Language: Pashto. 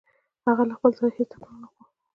هغې له خپل ځايه هېڅ ټکان نه خوړ.